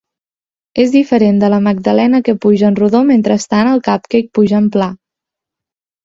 És diferent de la magdalena que puja en rodó mentrestant el cupcake puja en pla.